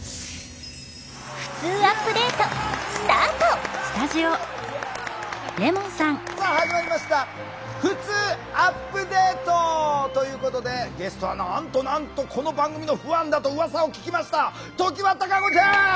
「ふつうアップデート」スタートさあ始まりました「ふつうアップデート」！ということでゲストはなんとなんとこの番組のファンだと噂を聞きました常盤貴子ちゃん！